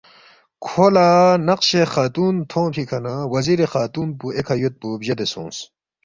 کھو لہ نقشِ خاتون تھونگفی کھہ نہ وزیری خاتون پو ایکھہ یودپو بجیدے سونگس